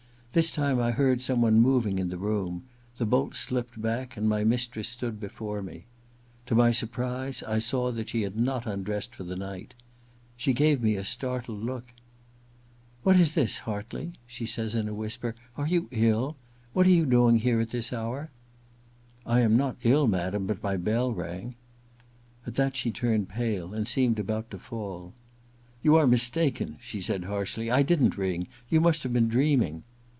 This time I heard some one moving in the room ; the bolt slipped back and my mistress stood before me. To my surprise I saw that she had not undressed for the night. She gave me a startled look. * What is this. Hartley }' she says in a whisper. * Are you ill } What are you doing here at this hour ?' IV THE LADY'S MAID^S BELL 155 * I am not ill, madam ; but my bell rang/ At that she turned pale, and seemed about to fall. * You are mistaken/ she said harshly ;* I didn't ring. You must have been dreaming.'